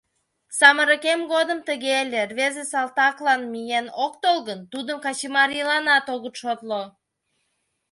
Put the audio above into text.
— Самырыкем годым тыге ыле: рвезе салтаклан миен ок тол гын, тудым качымарийланат огыт шотло.